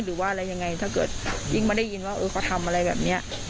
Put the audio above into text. หรือว่าอะไรยังไงถ้าเกิดยิ่งไม่ได้ยินว่าเออเขาทำอะไรแบบนี้